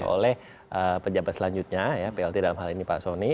oleh pejabat selanjutnya ya plt dalam hal ini pak soni